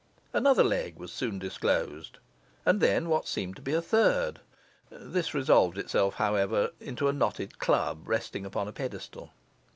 Another leg was soon disclosed, and then what seemed to be a third. This resolved itself, however, into a knotted club resting upon a pedestal.